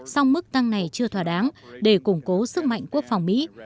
song mức tăng này chưa thỏa đáng để củng cố sức mạnh quốc phòng mỹ